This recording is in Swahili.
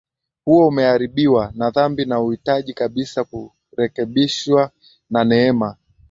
huo umeharibiwa na dhambi na unahitaji kabisa kurekebishwa na neema